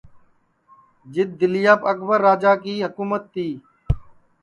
جِدؔ دِلیاپ اکبر راجا کی حکُمت تی